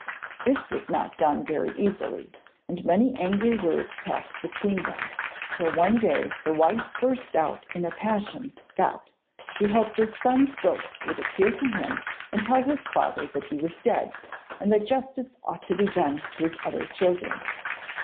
This was not done very easily, and many angry words passed between them, till one day the wife burst out in a passion that she hoped his son's ghost would appear to him and tell his father that he was dead, and that justice ought to be done to his other children.